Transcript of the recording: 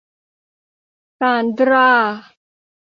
ซานดรา